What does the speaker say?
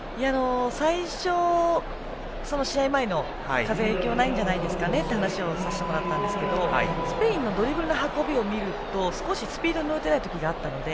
最初、試合前の風影響ないんじゃないですかという話をさせてもらったんですがスペインのドリブルの運びを見ると少しスピードに乗れていない時があったので。